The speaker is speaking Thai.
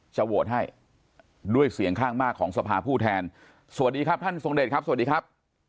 โหวตให้ด้วยเสียงข้างมากของสภาผู้แทนสวัสดีครับท่านทรงเดชครับสวัสดีครับ